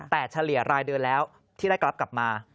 แต่เฉลี่ยรายเดือนแล้วที่ได้รับกลับมา